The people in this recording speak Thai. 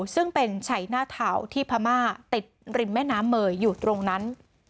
ซึ่งเป็นชัยหน้าเทาที่พม่าติดริมแม่น้ำเมยอยู่ตรงนั้น